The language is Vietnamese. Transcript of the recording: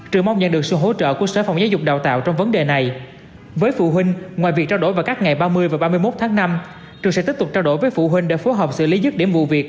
trường sẽ tiếp tục trao đổi với phụ huynh để phối hợp xử lý dứt điểm vụ việc